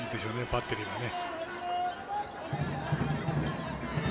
バッテリーはね。